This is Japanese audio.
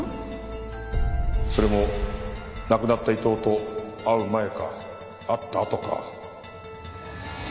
それも亡くなった伊藤と会う前か会ったあとか。